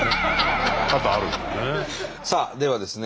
さあではですね